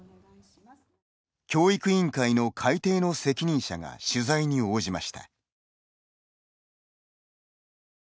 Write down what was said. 教育委員会の改訂の責任者が取材に応じました。